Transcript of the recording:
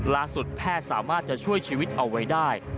แพทย์สามารถจะช่วยชีวิตเอาไว้ได้